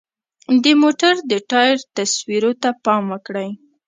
د موټر د ټایر تصویرو ته پام وکړئ.